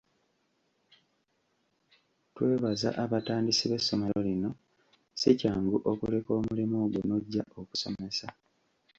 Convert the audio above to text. Twebaza abatandisi b'essomero lino, si kyangu okuleka omulimu gwo n'oggya okusomesa.